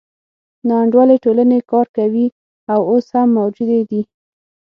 ناانډولې ټولنې کار کوي او اوس هم موجودې دي.